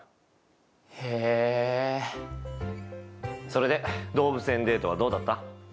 それで動物園デートはどうだった？